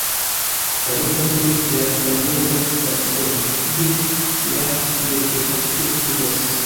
La nomo venis de la samnoma stacidomo, kie la metrostacio situas.